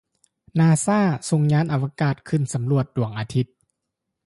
ນາຊ່າສົ່ງຍານອາວະກາດຂຶ້ນສຳຫຼວດດວງອາທິດ